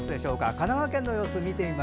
神奈川県の様子です。